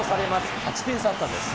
８点差あったんです。